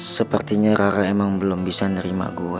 sepertinya rara emang belum bisa nerima gue